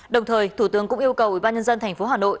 đồng thời thủ tướng cũng yêu cầu ủy ban nhân dân tp hà nội